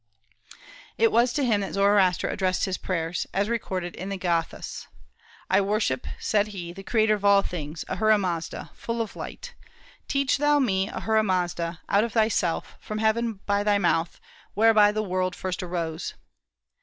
It was to him that Zoroaster addressed his prayers, as recorded in the Gâthâs. "I worship," said he, "the Creator of all things, Ahura Mazda, full of light.... Teach thou me, Ahura Mazda, out of thyself, from heaven by thy mouth, whereby the world first arose."